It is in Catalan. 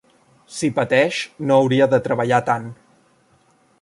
Si pateix, no hauria de treballar tant.